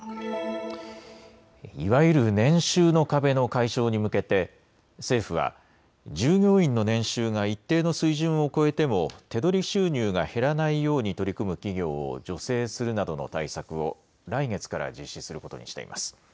いわゆる年収の壁の解消に向けて政府は従業員の年収が一定の水準を超えても手取り収入が減らないように取り組む企業を助成するなどの対策を来月から実施することにしています。